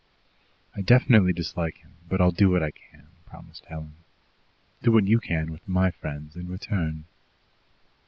"I definitely dislike him, but I'll do what I can," promised Helen. "Do what you can with my friends in return."